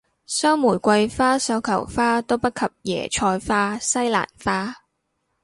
收玫瑰花繡球花都不及椰菜花西蘭花